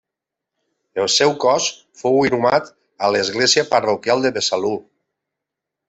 El seu cos fou inhumat a l'església parroquial de Besalú.